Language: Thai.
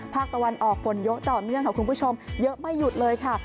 ภาคตะวันออกฝนเยอะต่อเนื่องค่ะคุณผู้ชมเยอะไม่หยุดเลยค่ะ